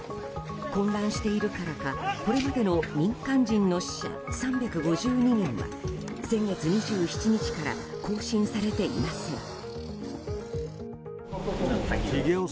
混乱しているからかこれまでの民間人の死者３５２人は先月２７日から更新されていません。